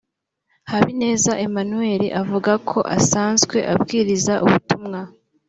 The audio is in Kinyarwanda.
Habineza Emmanuel avuga ko asanzwe abwiriza ubutumwa